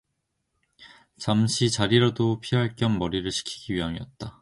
잠시 자리도 피할 겸 머리를 식히기 위함이었다.